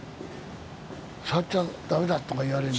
触っちゃダメだとか言われる。